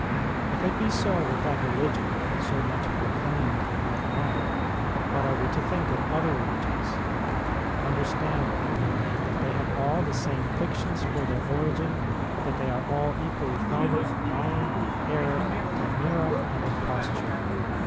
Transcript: If it be so with that religion so much proclaimed and admired, what are we to think of other religions ? CJnderstand, then, that they have all the same fictions for their origin, that they are all equally founded on lying, error, chimera, and imposture.